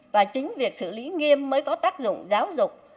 và chính việc xử lý nghiêm mới có tác dụng giáo dục